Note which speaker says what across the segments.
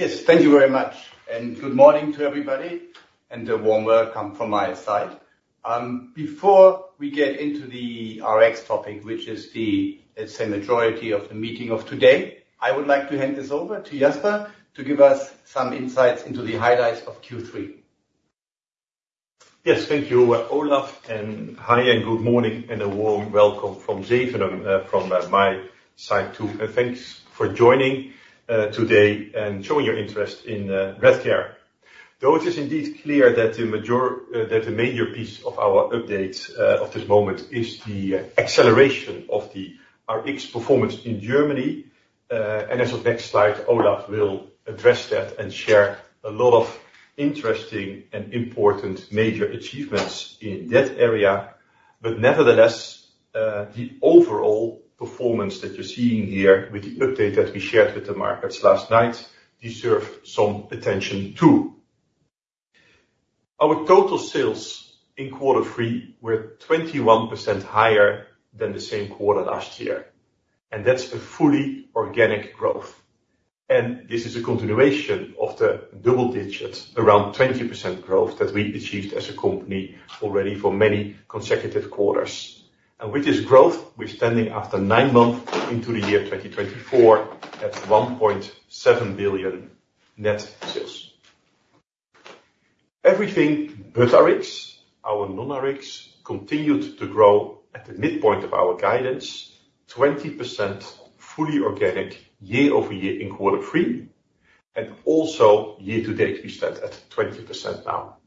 Speaker 1: Yes, thank you very much, and good morning to everybody, and a warm welcome from my side. Before we get into the Rx topic, which is the, let's say, majority of the meeting of today, I would like to hand this over to Jasper to give us some insights into the highlights of Q3.
Speaker 2: Yes, thank you, Olaf, and hi, and good morning, and a warm welcome from Zevenhuizen, from my side, too. Thanks for joining today and showing your interest in Redcare. Though it is indeed clear that the major piece of our updates of this moment is the acceleration of the Rx performance in Germany, as of next slide, Olaf will address that and share a lot of interesting and important major achievements in that area. Nevertheless, the overall performance that you're seeing here with the update that we shared with the markets last night deserve some attention, too. Our total sales in quarter three were 21% higher than the same quarter last year, and that's a fully organic growth. This is a continuation of the double digits, around 20% growth, that we achieved as a company already for many consecutive quarters. With this growth, we're standing after nine months into the year 2024 at 1.7 billion net sales. Everything but Rx, our non-Rx, continued to grow at the midpoint of our guidance, 20% fully organic, year-over-year in quarter three, and also year to date, we stand at 20% now.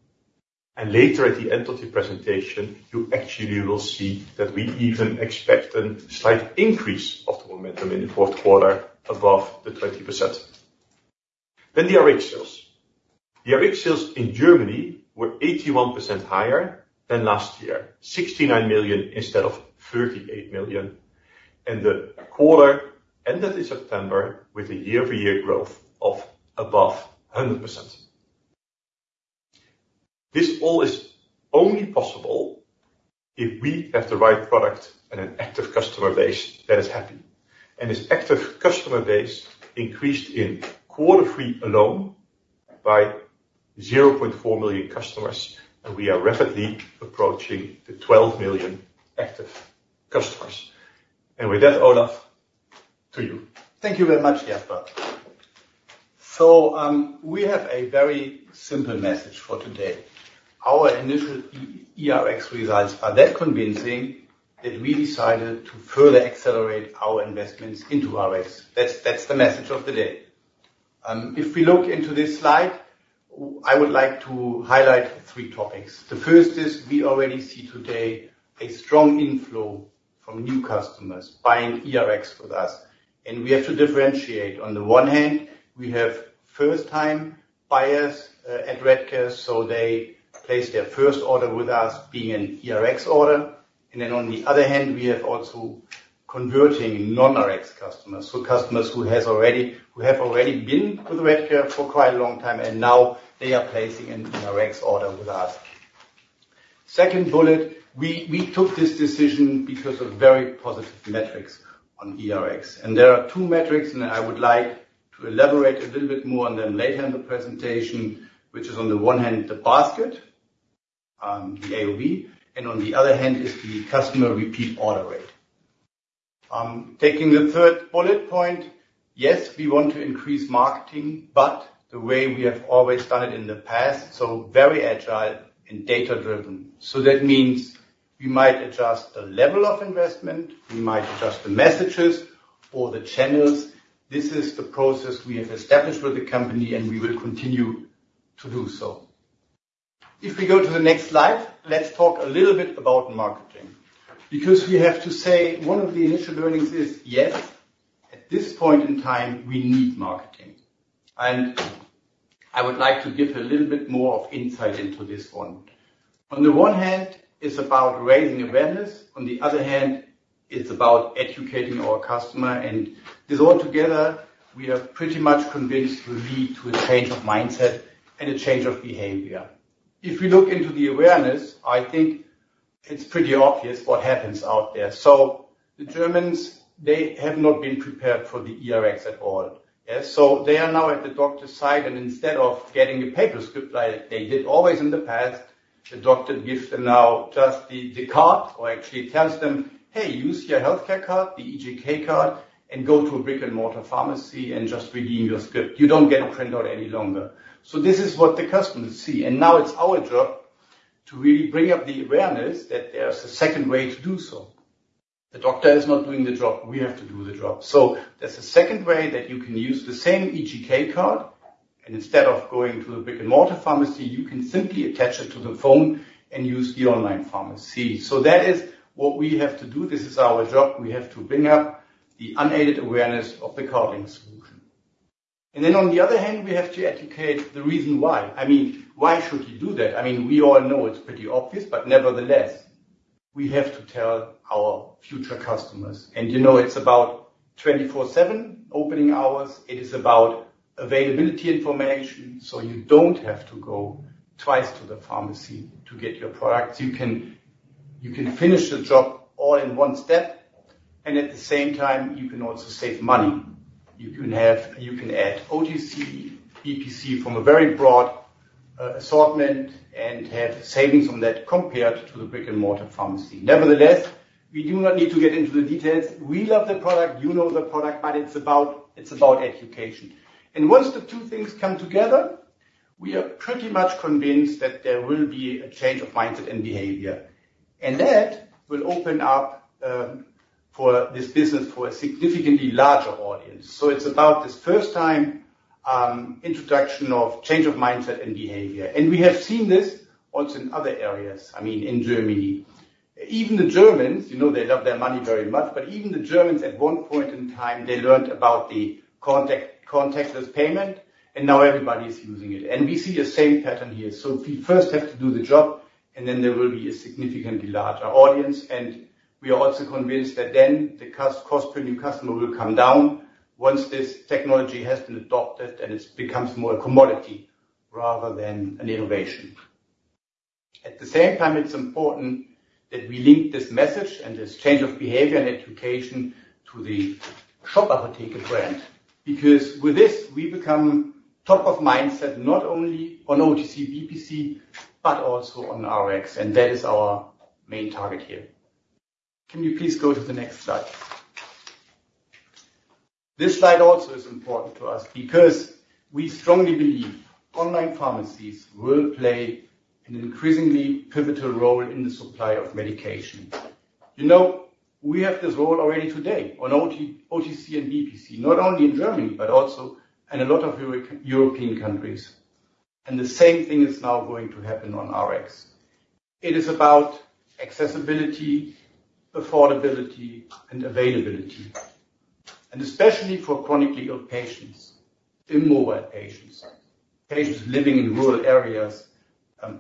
Speaker 2: Later at the end of the presentation, you actually will see that we even expect a slight increase of the momentum in the fourth quarter above the 20%. The Rx sales. The Rx sales in Germany were 81% higher than last year, 69 million instead of 38 million, and the quarter ended in September with a year-over-year growth of above 100%. This all is only possible if we have the right product and an active customer base that is happy. And this active customer base increased in quarter three alone by 0.4 million customers, and we are rapidly approaching the 12 million active customers. And with that, Olaf, to you.
Speaker 1: Thank you very much, Jasper. So, we have a very simple message for today. Our initial eRx results are that convincing, that we decided to further accelerate our investments into Rx. That's, that's the message of the day. If we look into this slide, I would like to highlight three topics. The first is we already see today a strong inflow from new customers buying eRx with us, and we have to differentiate. On the one hand, we have first-time buyers at Redcare, so they place their first order with us being an eRx order. And then, on the other hand, we have also converting non-Rx customers. So customers who have already been with the Redcare for quite a long time, and now they are placing an Rx order with us. Second bullet, we took this decision because of very positive metrics on eRx, and there are two metrics, and I would like to elaborate a little bit more on them later in the presentation, which is on the one hand, the basket, the AOV, and on the other hand is the customer repeat order rate. Taking the third bullet point, yes, we want to increase marketing, but the way we have always done it in the past, so very agile and data-driven. So that means we might adjust the level of investment, we might adjust the messages or the channels. This is the process we have established with the company, and we will continue to do so. If we go to the next slide, let's talk a little bit about marketing. Because we have to say, one of the initial learnings is, yes, at this point in time, we need marketing. And I would like to give a little bit more of insight into this one. On the one hand, it's about raising awareness, on the other hand, it's about educating our customer, and this all together, we are pretty much convinced will lead to a change of mindset and a change of behavior. If we look into the awareness, I think it's pretty obvious what happens out there. So the Germans, they have not been prepared for the eRx at all. Yeah. They are now at the doctor's side, and instead of getting a paper script like they did always in the past, the doctor gives them now just the card, or actually tells them, "Hey, use your healthcare card, the eGK card, and go to a brick-and-mortar pharmacy and just redeem your script. You don't get a printout any longer." This is what the customers see, and now it's our job to really bring up the awareness that there's a second way to do so. The doctor is not doing the job. We have to do the job. There's a second way that you can use the same eGK card, and instead of going to a brick-and-mortar pharmacy, you can simply attach it to the phone and use the online pharmacy. That is what we have to do. This is our job. We have to bring up the unaided awareness of the CardLink solution, and then, on the other hand, we have to educate the reason why. I mean, why should you do that? I mean, we all know it's pretty obvious, but nevertheless, we have to tell our future customers, and, you know, it's about twenty-four/seven opening hours. It is about availability information, so you don't have to go twice to the pharmacy to get your products. You can, you can finish the job all in one step... And at the same time, you can also save money. You can have. You can add OTC, eRx from a very broad assortment and have savings on that compared to the brick-and-mortar pharmacy. Nevertheless, we do not need to get into the details. We love the product, you know the product, but it's about, it's about education. Once the two things come together, we are pretty much convinced that there will be a change of mindset and behavior, and that will open up for this business for a significantly larger audience. It's about this first-time introduction of change of mindset and behavior. We have seen this also in other areas. I mean, in Germany, even the Germans, you know, they love their money very much, but even the Germans, at one point in time, they learned about the contactless payment, and now everybody is using it, and we see the same pattern here. So we first have to do the job, and then there will be a significantly larger audience, and we are also convinced that then the cost per new customer will come down once this technology has been adopted and it's becomes more a commodity rather than an innovation. At the same time, it's important that we link this message and this change of behavior and education to the Shop Apotheke brand, because with this, we become top of mindset, not only on OTC, BPC, but also on RX, and that is our main target here. Can you please go to the next slide? This slide also is important to us because we strongly believe online pharmacies will play an increasingly pivotal role in the supply of medication. You know, we have this role already today on OTC and BPC, not only in Germany, but also in a lot of European countries, and the same thing is now going to happen on Rx. It is about accessibility, affordability, and availability, and especially for chronically ill patients, immobile patients, patients living in rural areas,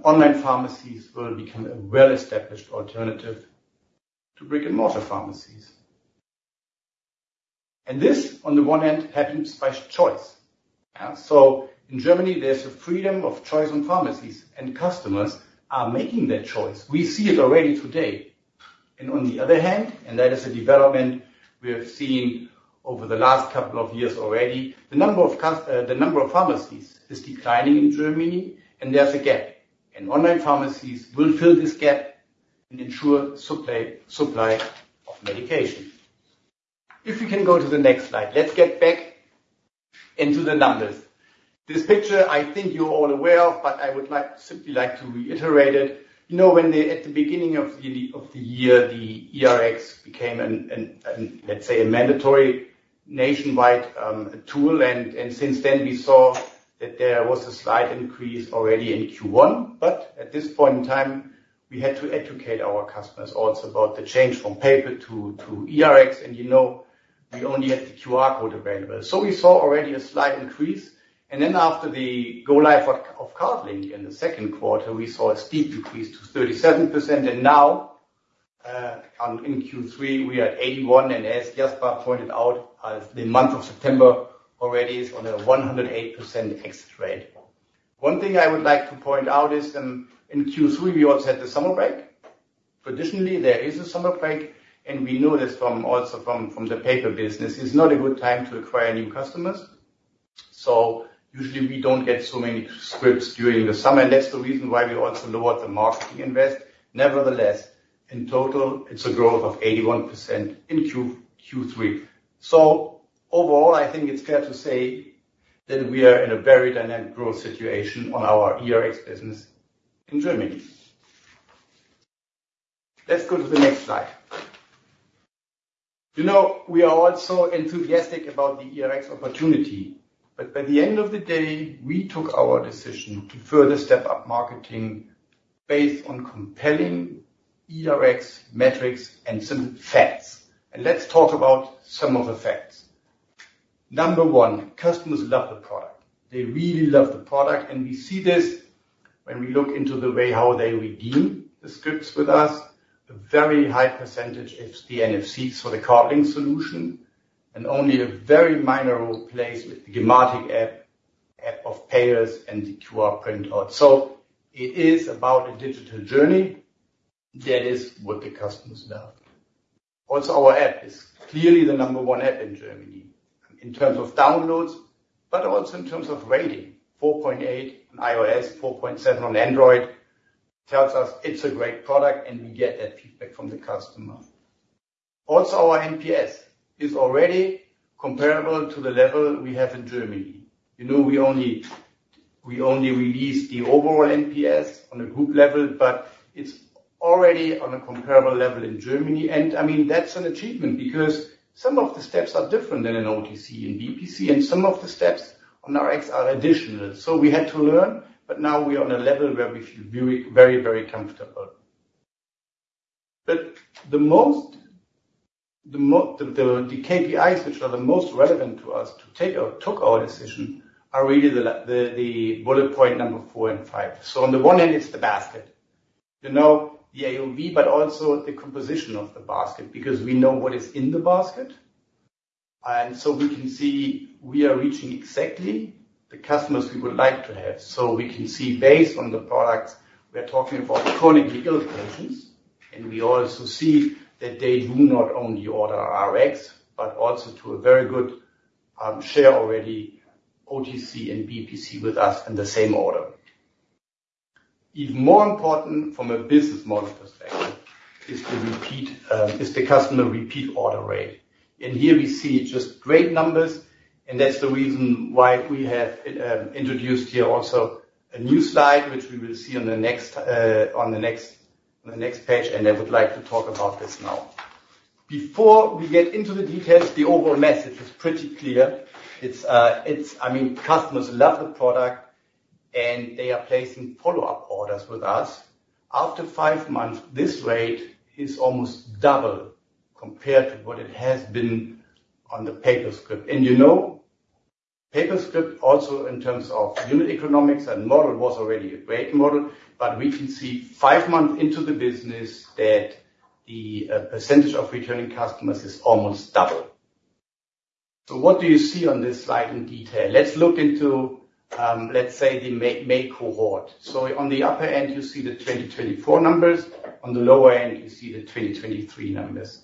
Speaker 1: online pharmacies will become a well-established alternative to brick-and-mortar pharmacies. And this, on the one hand, happens by choice. So in Germany, there's a freedom of choice on pharmacies, and customers are making that choice. We see it already today. And on the other hand, and that is a development we have seen over the last couple of years already, the number of pharmacies is declining in Germany, and there's a gap, and online pharmacies will fill this gap and ensure supply of medication. If you can go to the next slide. Let's get back into the numbers. This picture, I think you're all aware of, but I would like, simply like, to reiterate it. You know, at the beginning of the year, the eRx became an, let's say, a mandatory nationwide tool, and since then, we saw that there was a slight increase already in Q1, but at this point in time, we had to educate our customers also about the change from paper to eRx. And, you know, we only had the QR code available. So we saw already a slight increase, and then after the go live of CardLink in the second quarter, we saw a steep increase to 37%, and now in Q3, we are at 81%. As Jasper pointed out, the month of September already is on a 108% exit rate. One thing I would like to point out is, in Q3, we also had the summer break. Traditionally, there is a summer break, and we know this from the paper business. It's not a good time to acquire new customers, so usually, we don't get so many scripts during the summer, and that's the reason why we also lowered the marketing invest. Nevertheless, in total, it's a growth of 81% in Q3. So overall, I think it's fair to say that we are in a very dynamic growth situation on our eRX business in Germany. Let's go to the next slide. You know, we are also enthusiastic about the eRx opportunity, but by the end of the day, we took our decision to further step up marketing based on compelling eRx metrics and some facts. And let's talk about some of the facts. Number one, customers love the product. They really love the product, and we see this when we look into the way how they redeem the scripts with us. A very high percentage, it's the NFC for the CardLink solution, and only a very minor role plays with the Gematik app, app of payers and the QR printout. So it is about a digital journey. That is what the customers love. Also, our app is clearly the number one app in Germany in terms of downloads, but also in terms of rating. 4.8 on iOS, 4.7 on Android, tells us it's a great product, and we get that feedback from the customer. Also, our NPS is already comparable to the level we have in Germany. You know, we only, we only released the overall NPS on a group level, but it's already on a comparable level in Germany. And, I mean, that's an achievement because some of the steps are different than in OTC and BPC, and some of the steps on Rx are additional. So we had to learn, but now we're on a level where we feel very, very, very comfortable. But the most relevant KPIs, which are the most relevant to us to take or took our decision, are really the bullet point number 4 and 5. So on the one hand, it's the basket, you know, the AOV, but also the composition of the basket, because we know what is in the basket. And so we can see we are reaching exactly the customers we would like to have. So we can see based on the products, we are talking about chronically ill patients, and we also see that they do not only order RX, but also to a very good share already OTC and BPC with us in the same order. Even more important from a business model perspective is the customer repeat order rate. And here we see just great numbers, and that's the reason why we have introduced here also a new slide, which we will see on the next page, and I would like to talk about this now. Before we get into the details, the overall message is pretty clear. It's, I mean, customers love the product, and they are placing follow-up orders with us. After five months, this rate is almost double compared to what it has been on the paper script. And, you know, paper script also in terms of unit economics and model, was already a great model, but we can see five months into the business that the percentage of returning customers is almost double. So what do you see on this slide in detail? Let's look into, let's say, the May cohort. So on the upper end, you see the 2024 numbers. On the lower end, you see the 2023 numbers.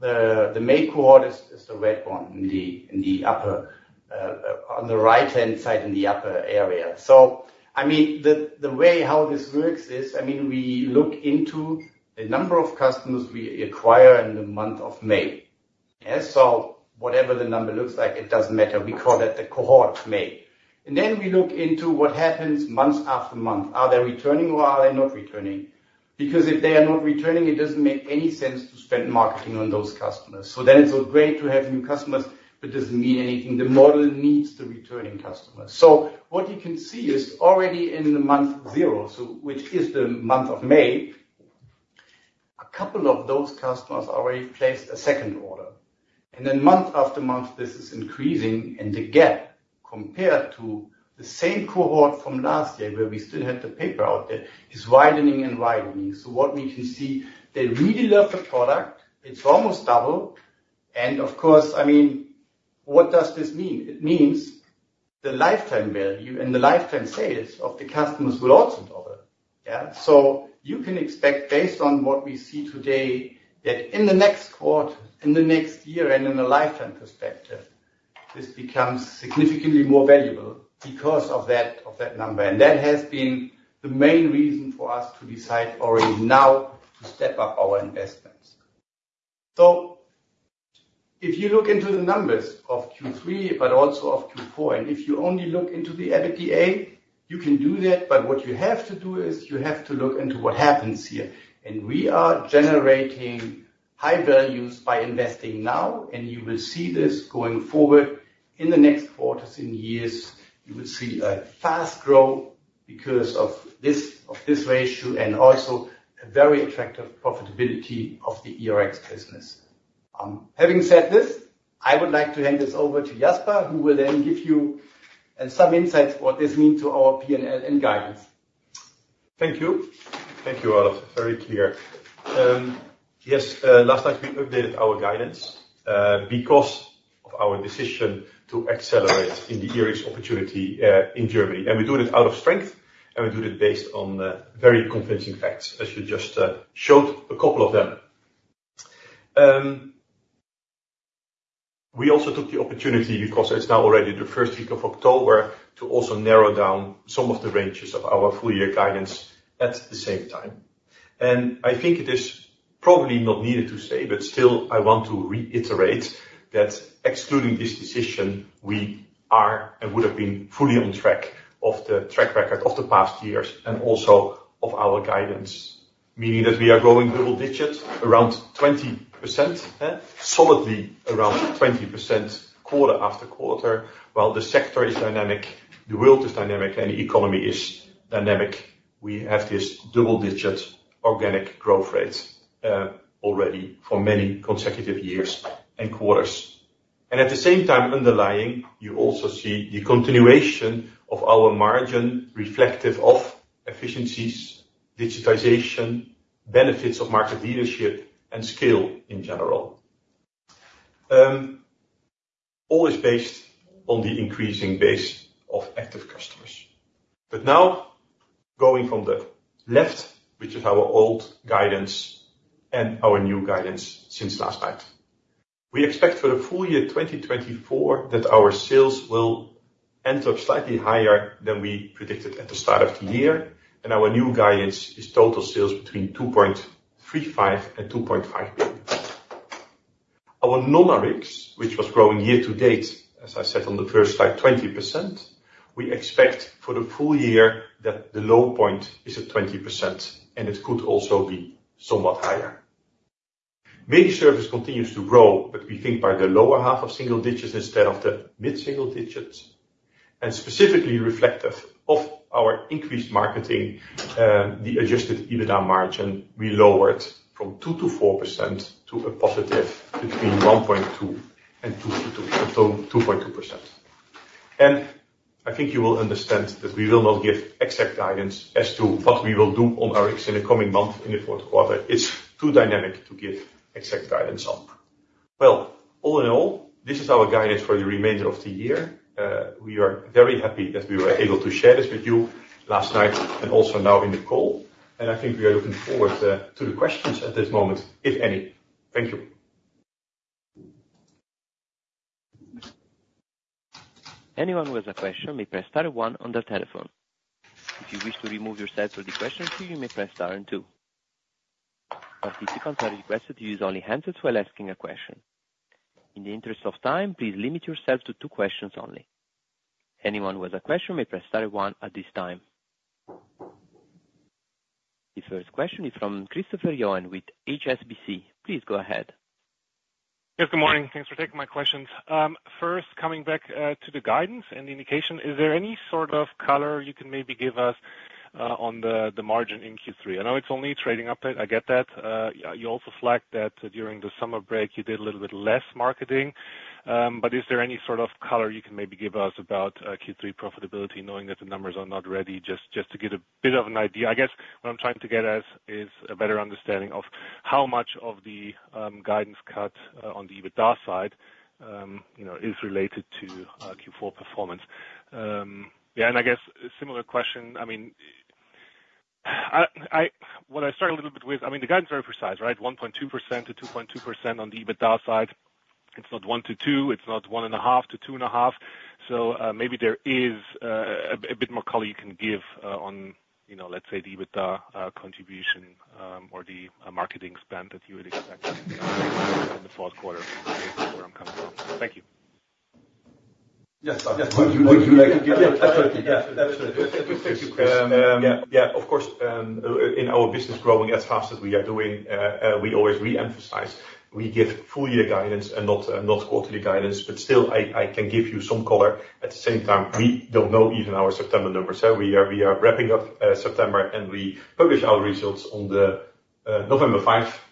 Speaker 1: The May cohort is the red one in the upper, on the right-hand side, in the upper area. So, I mean, the way how this works is, I mean, we look into the number of customers we acquire in the month of May. And so whatever the number looks like, it doesn't matter. We call that the cohort May. And then we look into what happens month after month. Are they returning or are they not returning? Because if they are not returning, it doesn't make any sense to spend marketing on those customers. So then it's so great to have new customers, but doesn't mean anything. The model needs the returning customers. So what you can see is already in the month zero, so which is the month of May, a couple of those customers already placed a second order, and then month after month, this is increasing. And the gap, compared to the same cohort from last year, where we still had the paper out there, is widening and widening. So what we can see, they really love the product. It's almost double. And of course, I mean, what does this mean? It means the lifetime value and the lifetime sales of the customers will also double. Yeah. So you can expect, based on what we see today, that in the next quarter, in the next year, and in a lifetime perspective, this becomes significantly more valuable because of that, of that number. And that has been the main reason for us to decide already now to step up our investments. So if you look into the numbers of Q3, but also of Q4, and if you only look into the EBITDA, you can do that, but what you have to do is you have to look into what happens here, and we are generating high values by investing now, and you will see this going forward in the next quarters, in years. You will see a fast growth because of this, of this ratio, and also a very attractive profitability of the eRx business. Having said this, I would like to hand this over to Jasper, who will then give you some insights what this mean to our PNL and guidance.
Speaker 2: Thank you. Thank you, Olaf. Very clear. Yes, last night we updated our guidance because of our decision to accelerate in the eRX opportunity in Germany. And we do it out of strength, and we do it based on very convincing facts, as you just showed a couple of them. We also took the opportunity, because it's now already the first week of October, to also narrow down some of the ranges of our full year guidance at the same time. And I think it is probably not needed to say, but still, I want to reiterate that excluding this decision, we are and would have been fully on track of the track record of the past years and also of our guidance, meaning that we are growing double digits, around 20%, solidly around 20% quarter after quarter. While the sector is dynamic, the world is dynamic, and the economy is dynamic, we have this double-digit organic growth rate already for many consecutive years and quarters. And at the same time, underlying, you also see the continuation of our margin, reflective of efficiencies, digitization, benefits of market leadership, and scale in general. All is based on the increasing base of active customers. But now going from the left, which is our old guidance and our new guidance since last night. We expect for the full year twenty twenty-four, that our sales will end up slightly higher than we predicted at the start of the year, and our new guidance is total sales between 2.35 billion and 2.5 billion. Our non-Rx, which was growing year to date, as I said on the first slide, 20%, we expect for the full year that the low point is at 20%, and it could also be somewhat higher. MediService continues to grow, but we think by the lower half of single digits instead of the mid-single digits, and specifically reflective of our increased marketing, the adjusted EBITDA margin, we lowered from 2%-4% to a positive between 1.2 and 2.2, so 2.2%. I think you will understand that we will not give exact guidance as to what we will do on Rx in the coming month, in the fourth quarter. It's too dynamic to give exact guidance on. All in all, this is our guidance for the remainder of the year. We are very happy that we were able to share this with you last night, and also now in the call, and I think we are looking forward to the questions at this moment, if any. Thank you.
Speaker 3: Anyone who has a question may press star one on their telephone. If you wish to remove yourself from the question queue, you may press star and two. Participants are requested to use only handsets while asking a question. In the interest of time, please limit yourself to two questions only. Anyone who has a question may press star one at this time. The first question is from Christopher Yuen with HSBC. Please go ahead.
Speaker 4: Yes, good morning. Thanks for taking my questions. First, coming back to the guidance and indication, is there any sort of color you can maybe give us on the margin in Q3? I know it's only a trading update, I get that. You also flagged that during the summer break you did a little bit less marketing. But is there any sort of color you can maybe give us about Q3 profitability, knowing that the numbers are not ready? Just, just to get a bit of an idea. I guess what I'm trying to get at is a better understanding of how much of the guidance cut on the EBITDA side, you know, is related to Q4 performance. Yeah, and I guess a similar question. I mean, what I struggle a little bit with, I mean, the guidance is very precise, right? 1.2%-2.2% on the EBITDA side. It's not one to two, it's not one and a half to two and a half. So, maybe there is a bit more color you can give on, you know, let's say, the EBITDA contribution or the marketing spend that you would expect in the fourth quarter, where I'm coming from. Thank you.
Speaker 2: Yes. Would you like to give? Absolutely. Yes, absolutely. Thank you, Chris. Yeah, of course, in our business growing as fast as we are doing, we always reemphasize, we give full year guidance and not quarterly guidance. But still, I can give you some color. At the same time, we don't know even our September numbers. So we are wrapping up September, and we publish our results on the November 5,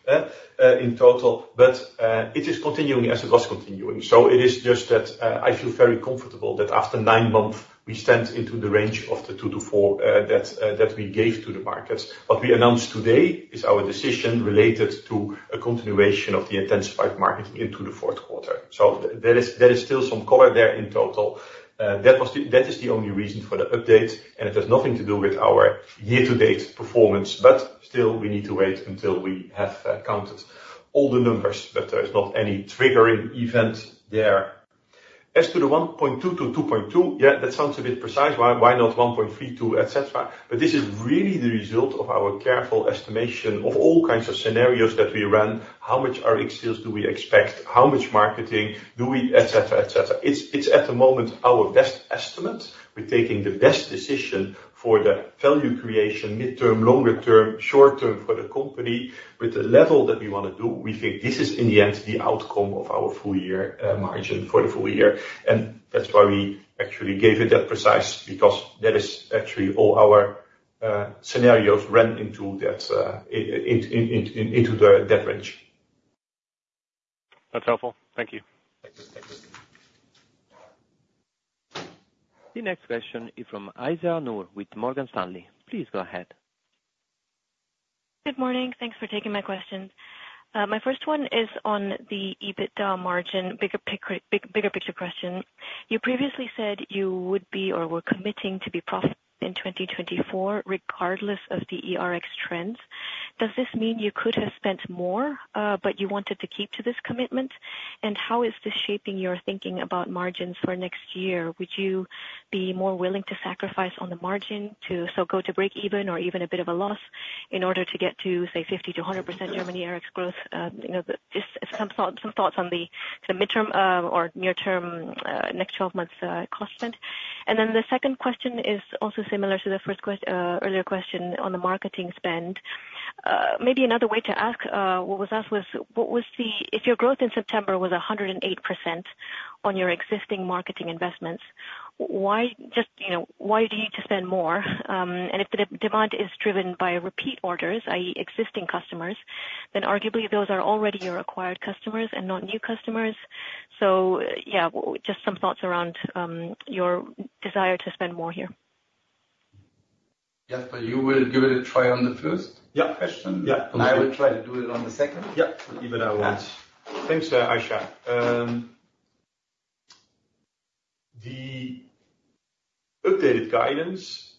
Speaker 2: in total. But it is continuing as it was continuing. So it is just that I feel very comfortable that after nine months, we stand into the range of the two to four that we gave to the market. What we announced today is our decision related to a continuation of the intensified market into the fourth quarter. So there is still some color there in total. That was the... That is the only reason for the update, and it has nothing to do with our year-to-date performance. But still, we need to wait until we have counted all the numbers, but there is not any triggering event there. As to the one point two to two point two, yeah, that sounds a bit precise. Why, why not one point three two, et cetera? But this is really the result of our careful estimation of all kinds of scenarios that we ran. How much Rx sales do we expect? How much marketing do we... Et cetera, et cetera. It's at the moment, our best estimate. We're taking the best decision for the value creation, midterm, longer term, short term, for the company. With the level that we want to do, we think this is in the end the outcome of our full year margin for the full year. And that's why we actually gave it that precise, because that is actually all our scenarios ran into that range.
Speaker 4: That's helpful. Thank you.
Speaker 2: Thank you.
Speaker 3: The next question is from Aisyah Noor with Morgan Stanley. Please go ahead.
Speaker 5: Good morning. Thanks for taking my questions. My first one is on the EBITDA margin. Bigger picture question. You previously said you would be, or were committing to be profitable in 2024, regardless of the eRx trends. Does this mean you could have spent more, but you wanted to keep to this commitment? And how is this shaping your thinking about margins for next year? Would you be more willing to sacrifice on the margin to go to breakeven or even a bit of a loss in order to get to, say, 50%-100% Germany Rx growth? You know, just some thoughts on the sort of midterm or near term, next 12 months, cost spent. And then the second question is also similar to the first, earlier question on the marketing spend. Maybe another way to ask what was asked was: What was the... If your growth in September was 108% on your existing marketing investments, why just, you know, why do you need to spend more? And if the demand is driven by repeat orders, i.e., existing customers, then arguably those are already your acquired customers and not new customers. So yeah, just some thoughts around your desire to spend more here. Jasper you will give it a try on the first- Yeah. - question?
Speaker 2: Yeah.
Speaker 1: And I will try to do it on the second. Yeah. Even I want.
Speaker 2: Thanks, Aisyah. The updated guidance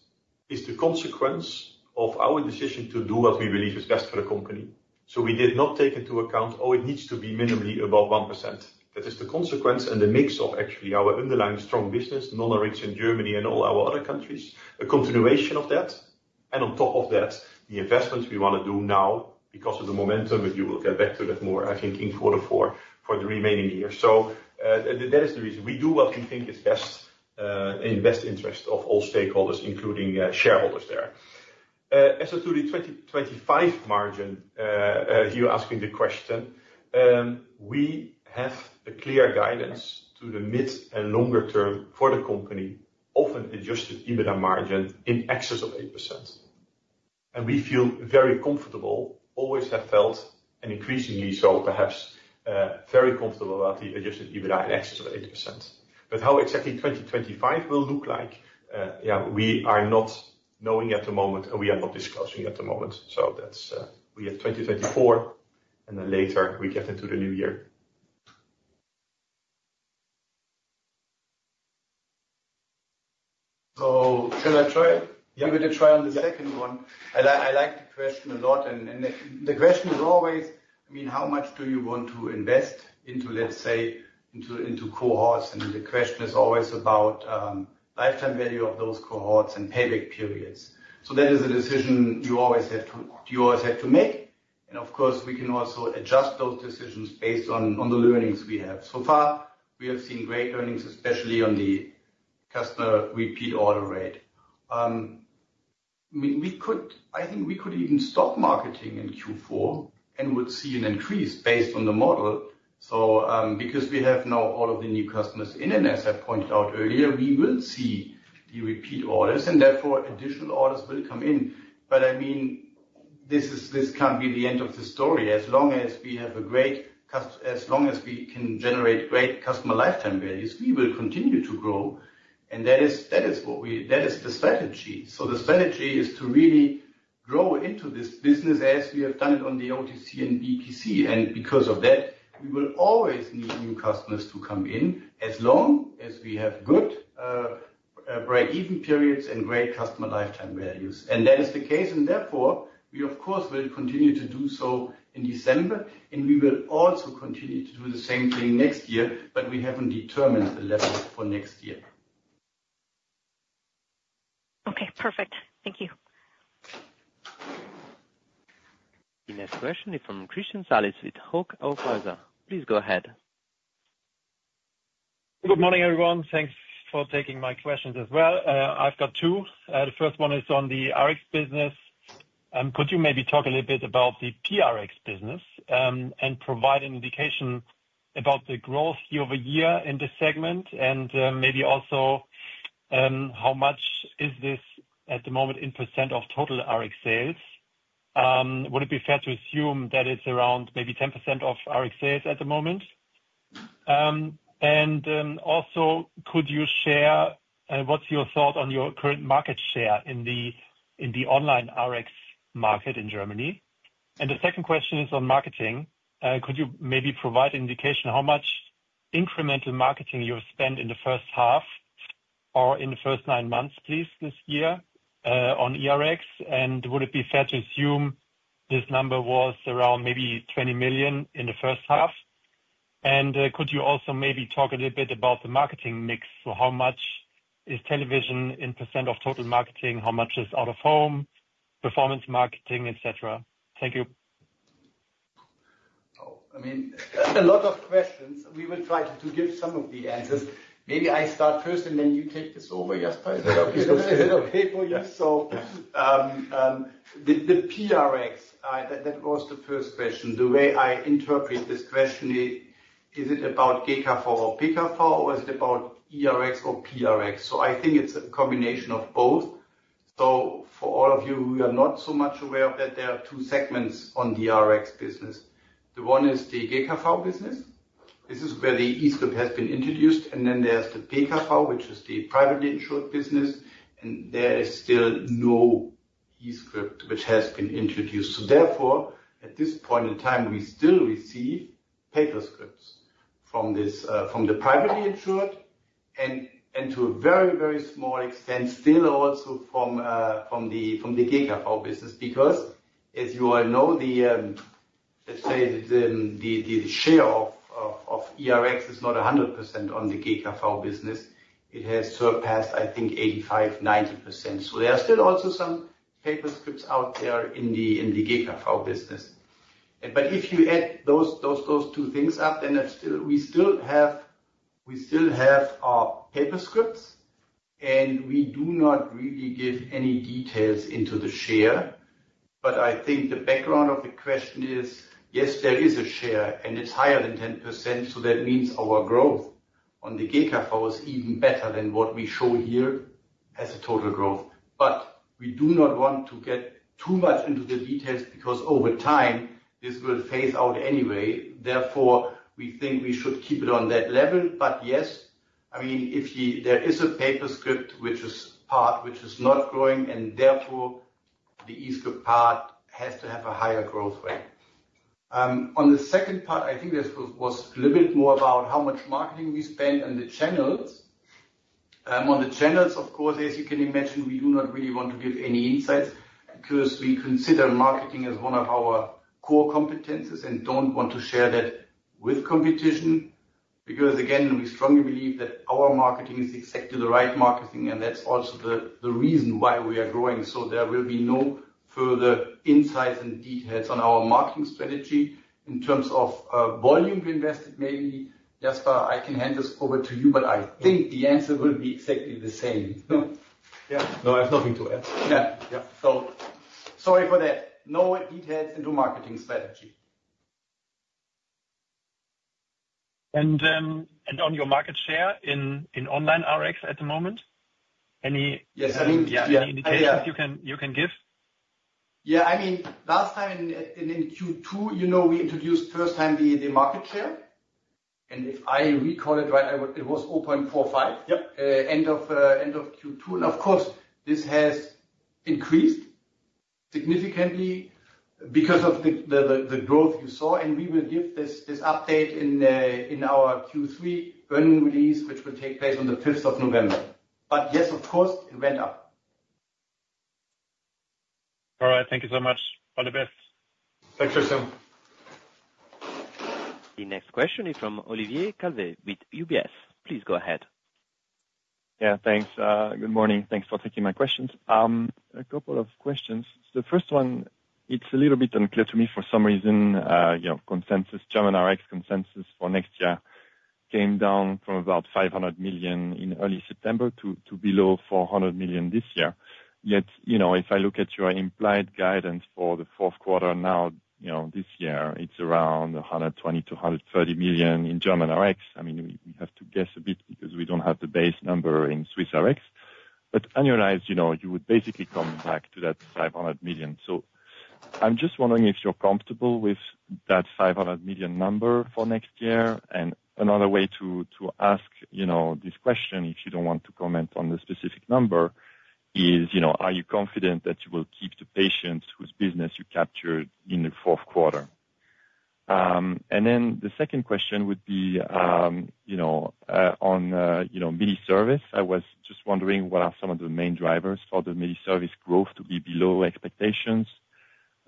Speaker 2: is the consequence of our decision to do what we believe is best for the company. So we did not take into account, "Oh, it needs to be minimally above 1%." That is the consequence and the mix of actually our underlying strong business, non-Rx in Germany and all our other countries, a continuation of that. And on top of that, the investments we want to do now because of the momentum, but you will get back to that more, I think, in quarter four for the remaining year. So, that is the reason. We do what we think is best, in the best interest of all stakeholders, including, shareholders there. As to the twenty twenty-five margin, as you're asking the question, we have a clear guidance to the mid and longer term for the company, often adjusted EBITDA margin in excess of 8%. And we feel very comfortable, always have felt, and increasingly so, perhaps, very comfortable about the adjusted EBITDA in excess of 80%. But how exactly twenty twenty-five will look like, yeah, we are not knowing at the moment, and we are not discussing at the moment. So that's, we have twenty twenty-four, and then later, we get into the new year.
Speaker 1: Shall I try?
Speaker 2: Yeah.
Speaker 1: Give it a try on the second one. I like the question a lot, and the question is always: I mean, how much do you want to invest into, let's say, into cohorts? And the question is always about lifetime value of those cohorts and payback periods. So that is a decision you always have to make. And of course, we can also adjust those decisions based on the learnings we have. So far, we have seen great earnings, especially on the customer repeat order rate. We could. I think we could even stop marketing in Q4 and would see an increase based on the model. So, because we have now all of the new customers in, and as I pointed out earlier, we will see the repeat orders, and therefore, additional orders will come in. But I mean, this is. This can't be the end of the story. As long as we can generate great customer lifetime values, we will continue to grow, and that is what we... That is the strategy. So the strategy is to really grow into this business as we have done it on the OTC and BPC. And because of that, we will always need new customers to come in, as long as we have good break-even periods and great customer lifetime values. And that is the case, and therefore, we, of course, will continue to do so in December, and we will also continue to do the same thing next year, but we haven't determined the level for next year.
Speaker 5: Okay, perfect. Thank you.
Speaker 3: The next question is from Christian Salis with Hauck Aufhäuser Lampe. Please go ahead.
Speaker 6: Good morning, everyone. Thanks for taking my questions as well. I've got two. The first one is on the RX business. Could you maybe talk a little bit about the eRx business, and provide an indication about the growth year over year in this segment? And maybe also how much is this at the moment in % of total RX sales? Would it be fair to assume that it's around maybe 10% of RX sales at the moment? And also, could you share what's your thought on your current market share in the online RX market in Germany? And the second question is on marketing. Could you maybe provide indication how much incremental marketing you have spent in the first half or in the first nine months, please, this year, on eRx? Would it be fair to assume this number was around maybe 20 million in the first half? Could you also maybe talk a little bit about the marketing mix? How much is television in % of total marketing? How much is out of home, performance marketing, et cetera? Thank you.
Speaker 1: Oh, I mean, a lot of questions. We will try to give some of the answers. Maybe I start first, and then you take this over, Jasper. Is that okay for you?
Speaker 2: Yeah.
Speaker 1: So, the Rx that was the first question. The way I interpret this question is it about GKV or PKV, or is it about eRx or Rx? So I think it's a combination of both. So for all of you who are not so much aware of that, there are two segments on the Rx business. The one is the GKV business. This is where the e-script has been introduced, and then there's the PKV, which is the privately insured business, and there is still no e-script which has been introduced. So therefore, at this point in time, we still receive paper scripts from this, from the privately insured and to a very, very small extent, still also from the GKV business. Because, as you all know, let's say the share of eRx is not 100% on the GKV business. It has surpassed, I think, 85%-90%. So there are still also some paper scripts out there in the GKV business. But if you add those two things up, then there's still. We still have our paper scripts, and we do not really give any details into the share. But I think the background of the question is, yes, there is a share, and it's higher than 10%, so that means our growth on the GKV is even better than what we show here as a total growth. But we do not want to get too much into the details, because over time, this will phase out anyway. Therefore, we think we should keep it on that level, but yes, I mean, if you, there is a paper script, which is part, which is not growing, and therefore, the e-script part has to have a higher growth rate. On the second part, I think this was a little bit more about how much marketing we spend and the channels. On the channels, of course, as you can imagine, we do not really want to give any insights, because we consider marketing as one of our core competencies and don't want to share that with competition. Because, again, we strongly believe that our marketing is exactly the right marketing, and that's also the reason why we are growing, so there will be no further insights and details on our marketing strategy in terms of volume we invested. Maybe, Jasper, I can hand this over to you, but I think the answer will be exactly the same.
Speaker 2: Yeah. No, I have nothing to add.
Speaker 1: Yeah.
Speaker 2: Yeah.
Speaker 1: So sorry for that. No details into marketing strategy. And on your market share in online Rx at the moment, any-
Speaker 2: Yes, I mean, yeah-
Speaker 6: Any indications you can give?
Speaker 1: Yeah, I mean, last time in Q2, you know, we introduced first time the market share, and if I recall it right, it was 0.45.
Speaker 6: Yep.
Speaker 1: End of Q2, and of course, this has increased significantly because of the growth you saw, and we will give this update in our Q3 earnings release, which will take place on the fifth of November. But yes, of course, it went up.
Speaker 6: All right, thank you so much. All the best.
Speaker 1: Thanks so soon.
Speaker 3: The next question is from Olivier Calvet with UBS. Please go ahead.
Speaker 7: Yeah, thanks. Good morning. Thanks for taking my questions. A couple of questions. The first one, it's a little bit unclear to me for some reason, you know, consensus, German Rx consensus for next year came down from about 500 million in early September to below 400 million this year. Yet, you know, if I look at your implied guidance for the fourth quarter, now, you know, this year, it's around 120 million-130 million in German Rx. I mean, we have to guess a bit because we don't have the base number in Swiss Rx. But annualize, you know, you would basically come back to that 500 million. So I'm just wondering if you're comfortable with that 500 million number for next year. And another way to ask, you know, this question, if you don't want to comment on the specific number, is, you know, are you confident that you will keep the patients whose business you captured in the fourth quarter? And then the second question would be, you know, on, you know, MediService. I was just wondering, what are some of the main drivers for the MediService growth to be below expectations?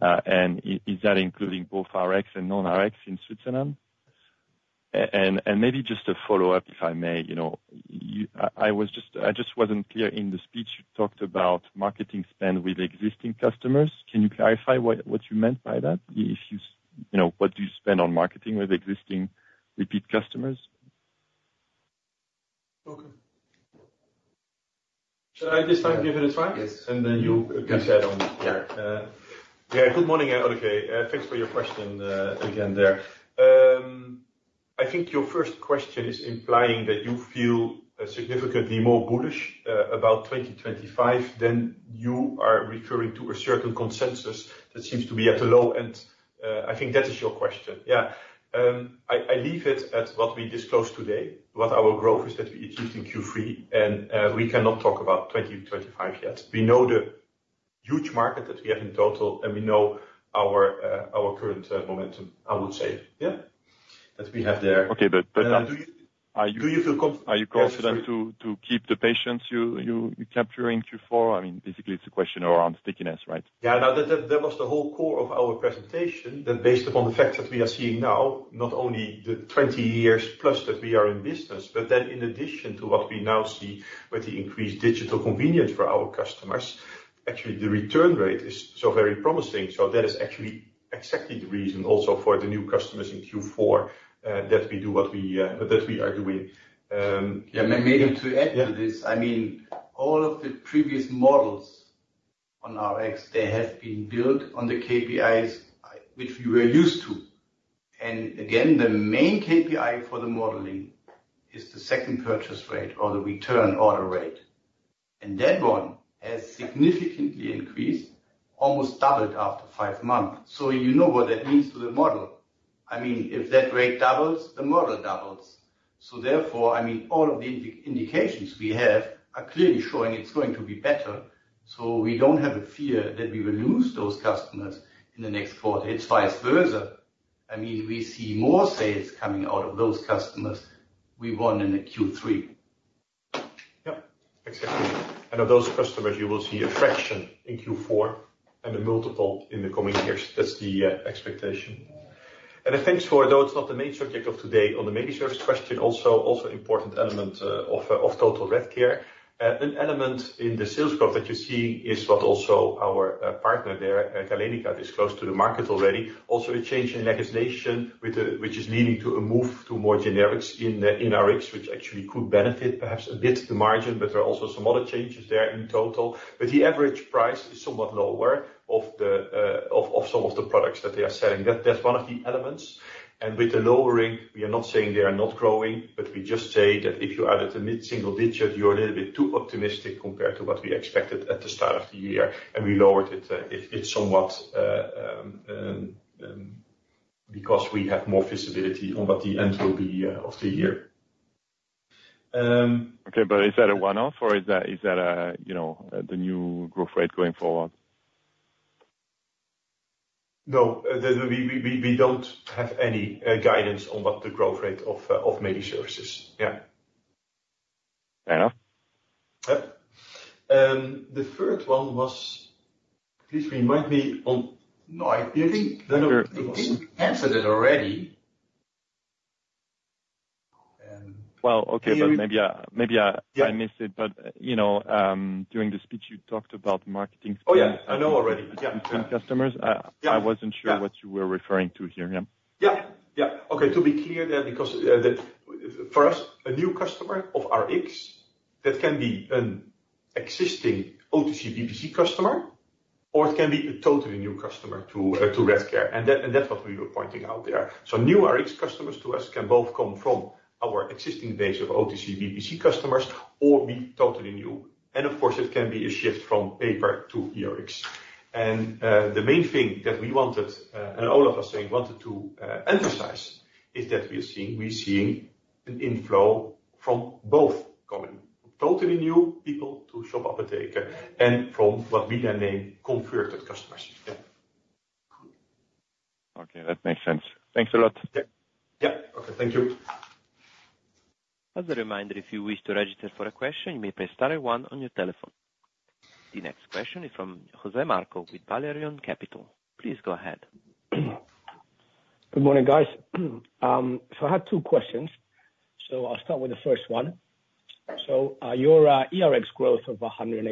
Speaker 7: And is that including both Rx and non-Rx in Switzerland? And maybe just a follow-up, if I may. You know, I wasn't clear in the speech, you talked about marketing spend with existing customers. Can you clarify what you meant by that? If you, you know, what do you spend on marketing with existing repeat customers?
Speaker 1: Okay.
Speaker 2: Shall I this time give it a try?
Speaker 1: Yes.
Speaker 2: And then you catch that on-
Speaker 1: Yeah.
Speaker 2: Yeah, good morning, Olivier. Thanks for your question, again there. I think your first question is implying that you feel, significantly more bullish, about 2025 than you are referring to a certain consensus that seems to be at a low, and, I think that is your question. Yeah. I leave it at what we disclosed today, what our growth is that we achieved in Q3, and, we cannot talk about 2025 yet. We know the huge market that we have in total, and we know our current momentum, I would say, yeah, that we have there.
Speaker 7: Okay, but,
Speaker 2: Do you-
Speaker 7: Are you-
Speaker 2: Do you feel con-
Speaker 7: Are you confident to keep the patients you capturing through four? I mean, basically, it's a question around stickiness, right?
Speaker 2: Yeah. Now, that, that was the whole core of our presentation, that based upon the fact that we are seeing now, not only the twenty years plus that we are in business, but then in addition to what we now see with the increased digital convenience for our customers, actually, the return rate is so very promising. So that is actually exactly the reason also for the new customers in Q4, that we do what we, that we are doing. Yeah-
Speaker 1: And maybe to add to this-
Speaker 2: Yeah.
Speaker 1: I mean, all of the previous models on Rx, they have been built on the KPIs, which we were used to. And again, the main KPI for the modeling is the second purchase rate or the return order rate, and that one has significantly increased, almost doubled after five months. So you know what that means to the model. I mean, if that rate doubles, the model doubles. So therefore, I mean, all of the indications we have are clearly showing it's going to be better, so we don't have a fear that we will lose those customers in the next quarter. It's vice versa. I mean, we see more sales coming out of those customers we won in the Q3.
Speaker 2: Yep, exactly. And of those customers, you will see a fraction in Q4 and a multiple in the coming years. That's the expectation. And thanks for... Though it's not the main subject of today, on the MediService question, also important element of total Redcare. An element in the sales growth that you're seeing is what also our partner there, Galenica, disclosed to the market already. Also, a change in legislation which is leading to a move to more generics in the Rx, which actually could benefit perhaps a bit the margin, but there are also some other changes there in total. But the average price is somewhat lower of some of the products that they are selling. That's one of the elements. And with the lowering, we are not saying they are not growing, but we just say that if you added a mid-single digit, you're a little bit too optimistic compared to what we expected at the start of the year, and we lowered it. It's somewhat because we have more visibility on what the end will be of the year.
Speaker 7: Okay, but is that a one-off or is that, is that, you know, the new growth rate going forward?
Speaker 2: No, we don't have any guidance on what the growth rate of MediService. Yeah.
Speaker 7: Fair enough.
Speaker 2: Yep. The third one was... Please remind me on-
Speaker 1: No, I think-
Speaker 2: I know-
Speaker 1: I think we answered it already.
Speaker 2: Um-
Speaker 7: Well, okay, but maybe I-
Speaker 2: Yeah...
Speaker 7: I missed it. But, you know, during the speech, you talked about marketing-
Speaker 2: Oh, yeah, I know already. Yeah.
Speaker 7: Customers.
Speaker 2: Yeah.
Speaker 7: I wasn't sure-
Speaker 2: Yeah...
Speaker 7: what you were referring to here. Yeah.
Speaker 2: Yeah. Yeah. Okay, to be clear there, because for us, a new customer of Rx, that can be an existing OTC/BPC customer-... or it can be a totally new customer to Redcare, and that, and that's what we were pointing out there. So new Rx customers to us can both come from our existing base of OTC, BPC customers or be totally new. And of course, it can be a shift from paper to eRx. And the main thing that we wanted, and all of us saying wanted to emphasize, is that we're seeing an inflow from both coming: totally new people to Shop Apotheke and from what we then name converted customers. Yeah.
Speaker 7: Okay, that makes sense. Thanks a lot.
Speaker 1: Yeah. Yeah. Okay. Thank you.
Speaker 3: As a reminder, if you wish to register for a question, you may press star one on your telephone. The next question is from Jose Marco with Valerian Capital. Please go ahead.
Speaker 8: Good morning, guys. So I had two questions. So I'll start with the first one. So, your eRx growth of 108%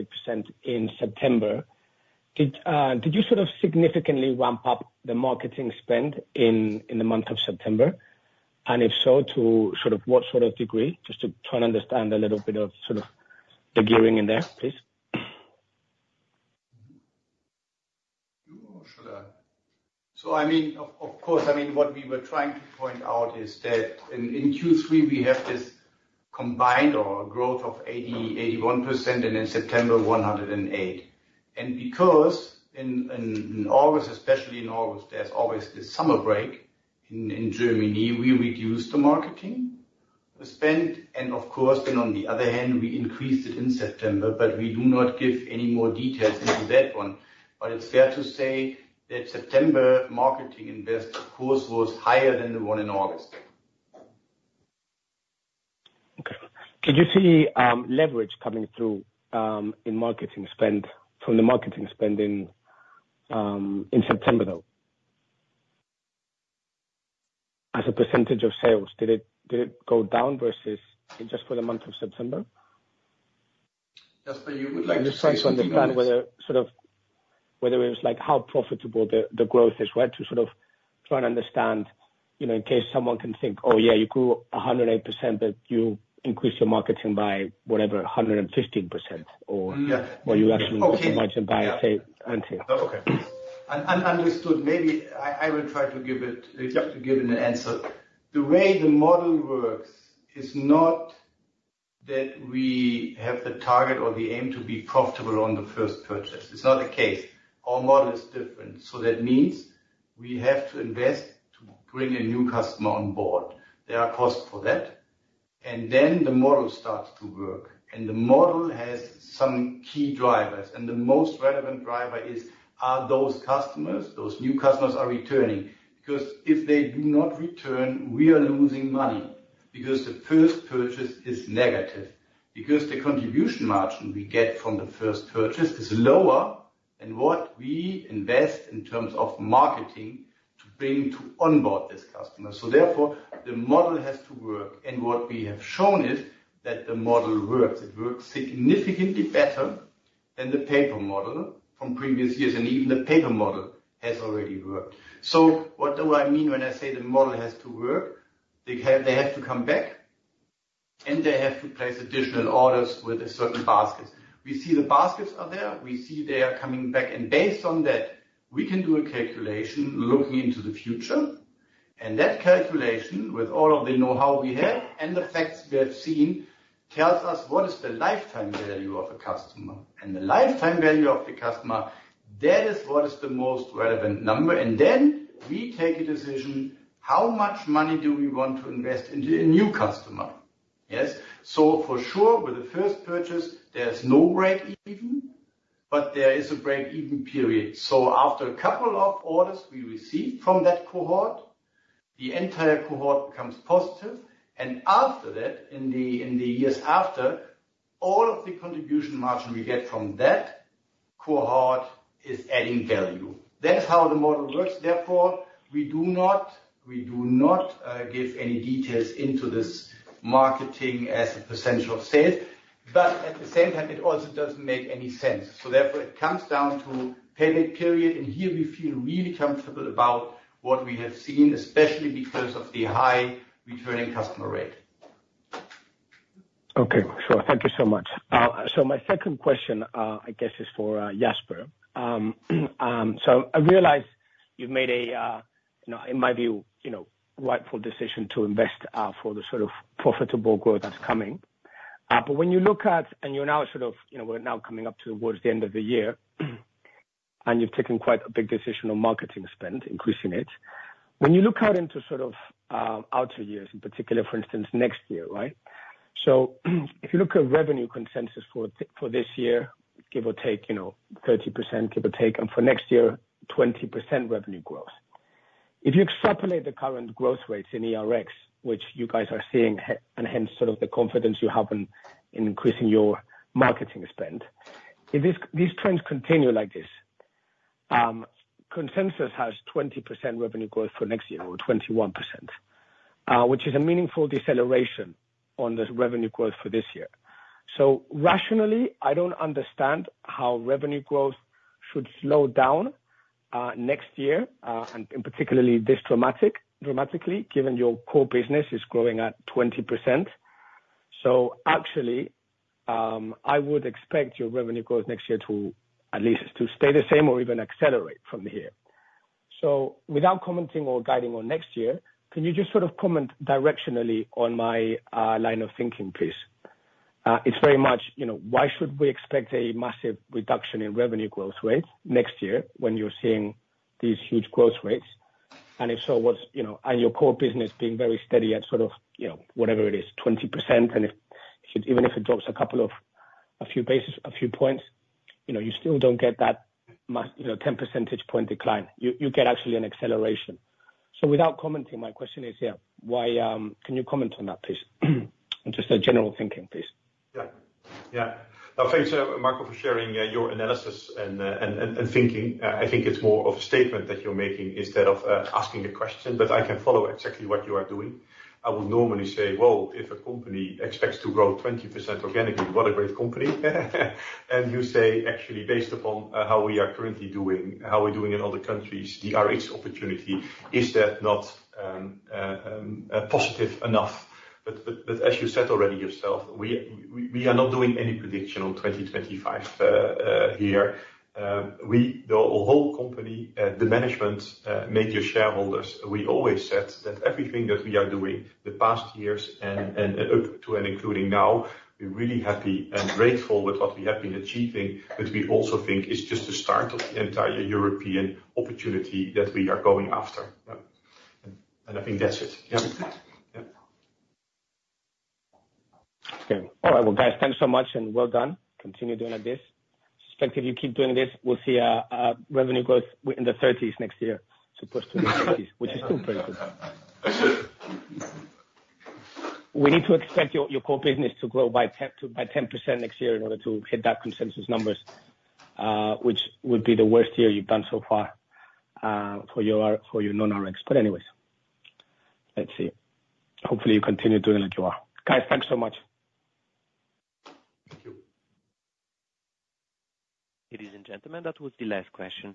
Speaker 8: in September, did you sort of significantly ramp up the marketing spend in the month of September? And if so, to sort of what sort of degree? Just to try and understand a little bit of sort of the gearing in there, please.
Speaker 1: So I mean, of course, I mean, what we were trying to point out is that in Q3, we have this combined order growth of 81%, and in September, 108%. Because in August, especially in August, there's always this summer break in Germany, we reduced the marketing spend, and of course, then on the other hand, we increased it in September. But we do not give any more details into that one. But it's fair to say that September marketing investment, of course, was higher than the one in August.
Speaker 8: Okay. Could you see leverage coming through in marketing spend, from the marketing spending in September, though? As a percentage of sales, did it go down versus just for the month of September?
Speaker 1: Jasper, you would like to-
Speaker 8: Just trying to understand whether, sort of, whether it was like how profitable the growth is, where to sort of try and understand, you know, in case someone can think, "Oh, yeah, you grew 108%, but you increased your marketing by whatever, 115%," or-
Speaker 1: Yeah.
Speaker 8: Or you actually buy, say, until.
Speaker 1: Okay. Understood. Maybe I will try to give it-
Speaker 8: Yeah...
Speaker 1: give it an answer. The way the model works is not that we have the target or the aim to be profitable on the first purchase. It's not the case. Our model is different, so that means we have to invest to bring a new customer on board. There are costs for that, and then the model starts to work, and the model has some key drivers, and the most relevant driver is, are those customers, those new customers, are returning? Because if they do not return, we are losing money because the first purchase is negative. Because the contribution margin we get from the first purchase is lower than what we invest in terms of marketing to bring to onboard this customer. So therefore, the model has to work, and what we have shown is that the model works. It works significantly better than the paper model from previous years, and even the paper model has already worked. So what do I mean when I say the model has to work? They have, they have to come back, and they have to place additional orders with certain baskets. We see the baskets are there, we see they are coming back, and based on that, we can do a calculation looking into the future. And that calculation, with all of the know-how we have and the facts we have seen, tells us what is the lifetime value of a customer. And the lifetime value of the customer, that is what is the most relevant number, and then we take a decision, how much money do we want to invest into a new customer? Yes. So for sure, with the first purchase, there's no breakeven, but there is a breakeven period. So after a couple of orders we received from that cohort, the entire cohort becomes positive, and after that, in the years after, all of the contribution margin we get from that cohort is adding value. That is how the model works. Therefore, we do not give any details into this marketing as a percentage of sales, but at the same time, it also doesn't make any sense. So therefore, it comes down to pay back period, and here we feel really comfortable about what we have seen, especially because of the high returning customer rate.
Speaker 8: Okay, sure. Thank you so much. So my second question, I guess, is for Jasper. So I realize you've made a, you know, in my view, you know, rightful decision to invest for the sort of profitable growth that's coming. But when you look at... and you're now sort of, you know, we're now coming up towards the end of the year, and you've taken quite a big decision on marketing spend, increasing it. When you look out into sort of outer years, in particular, for instance, next year, right? So if you look at revenue consensus for this year, give or take, you know, 30%, give or take, and for next year, 20% revenue growth. If you extrapolate the current growth rates in eRx, which you guys are seeing, and hence, sort of the confidence you have in increasing your marketing spend, if these trends continue like this, consensus has 20% revenue growth for next year, or 21%, which is a meaningful deceleration on the revenue growth for this year. Rationally, I don't understand how revenue growth should slow down next year, and particularly dramatically, given your core business is growing at 20%. Actually, I would expect your revenue growth next year to at least stay the same or even accelerate from here. Without commenting or guiding on next year, can you just sort of comment directionally on my line of thinking, please? It's very much, you know, why should we expect a massive reduction in revenue growth rates next year when you're seeing these huge growth rates? And if so, what's, you know, and your core business being very steady at sort of, you know, whatever it is, 20%, and if even if it drops a few basis points, you know, you still don't get that much, you know, 10 percentage point decline. You get actually an acceleration. So without commenting, my question is, yeah, why can you comment on that, please? Just a general thinking, please.
Speaker 2: Yeah. Now, thanks, Marco, for sharing your analysis and thinking. I think it's more of a statement that you're making instead of asking a question, but I can follow exactly what you are doing. I would normally say: Well, if a company expects to grow 20% organically, what a great company. And you say, actually, based upon how we are currently doing, how we're doing in other countries, the Rx opportunity, is that not positive enough? But as you said already yourself, we are not doing any prediction on 2025 here. We, the whole company, the management, major shareholders, we always said that everything that we are doing the past years and up to and including now, we're really happy and grateful with what we have been achieving, but we also think it's just the start of the entire European opportunity that we are going after. Yeah, and I think that's it. Yeah. Yeah.
Speaker 8: Okay. All right. Well, guys, thanks so much, and well done. Continue doing like this. Expect if you keep doing this, we'll see revenue growth in the thirties next year, as opposed to in the twenties, which is still very good. We need to expect your core business to grow by 10% next year in order to hit that consensus numbers, which would be the worst year you've done so far for your non-Rx. But anyways, let's see. Hopefully, you continue doing like you are. Guys, thanks so much.
Speaker 2: Thank you.
Speaker 3: Ladies and gentlemen, that was the last question.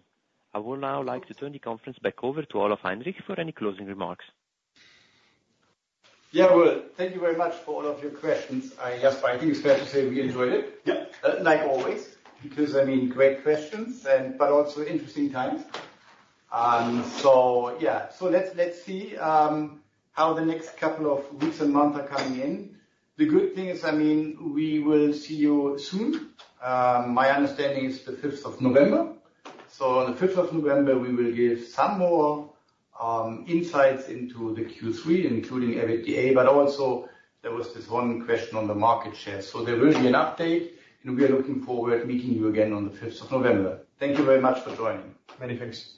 Speaker 3: I will now like to turn the conference back over to Olaf Heinrich for any closing remarks.
Speaker 7: Yeah, well, thank you very much for all of your questions. I, yes, I think it's fair to say we enjoyed it.
Speaker 2: Yeah.
Speaker 1: Like always, because, I mean, great questions and but also interesting times. So yeah, let's see how the next couple of weeks and months are coming in. The good thing is, I mean, we will see you soon. My understanding is the fifth of November. So on the fifth of November, we will give some more insights into the Q3, including EBITDA, but also there was this one question on the market share. So there will be an update, and we are looking forward to meeting you again on the fifth of November. Thank you very much for joining. Many thanks.